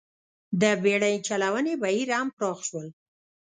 د بېړۍ چلونې بهیر هم پراخ شول.